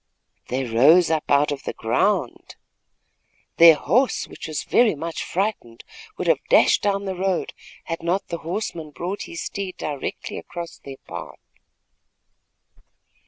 "They rose up out of the ground." Their horse, which was very much frightened, would have dashed down the road had not the horseman brought his steed directly across their path.